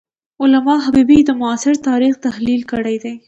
علامه حبیبي د معاصر تاریخ تحلیل کړی دی.